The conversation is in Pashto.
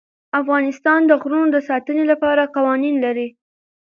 افغانستان د غرونه د ساتنې لپاره قوانین لري.